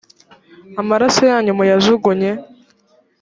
amasaro yanyu muyajugunye